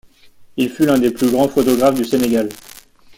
Il fut l'un des plus grands photographes du Sénégal.